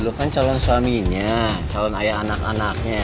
lu kan calon suaminya calon ayah anak anaknya